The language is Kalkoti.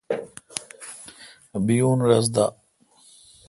بییون رس دا۔